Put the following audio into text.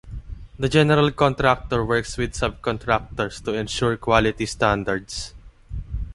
The general contractor works with subcontractors to ensure quality standards.